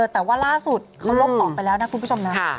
แต่ว่าล่าสุดเขาลบออกไปแล้วนะคุณผู้ชมนะ